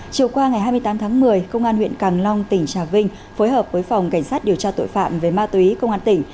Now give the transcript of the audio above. chiều qua ngày hai mươi tám tháng một mươi công an huyện càng long tỉnh trà vinh phối hợp với phòng cảnh sát điều tra tội phạm về ma túy công an tỉnh